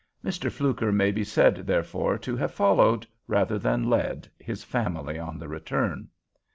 Mr. Fluker may be said, therefore, to have followed, rather than led, his family on the return.